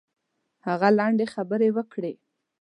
هغه لنډې خبرې وکړې.